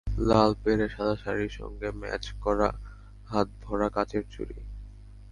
লাল পেড়ে সাদা শাড়ির সঙ্গে ম্যাচ করা হাত ভরা কাচের চুড়ি।